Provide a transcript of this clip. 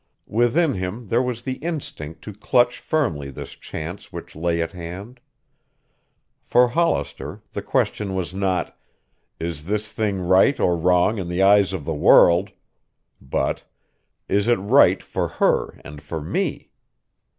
Within him there was the instinct to clutch firmly this chance which lay at hand. For Hollister the question was not, "Is this thing right or wrong in the eyes of the world?" but "Is it right for her and for me?"